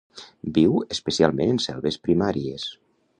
Viu especialment en selves primàries.